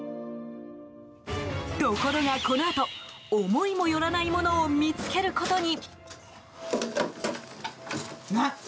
ところが、このあと思いもよらないものを見つけることに。